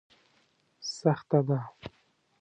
سخته ده.